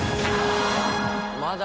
まだ？